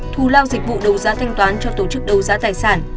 thù lao dịch vụ đấu giá thanh toán cho tổ chức đấu giá tài sản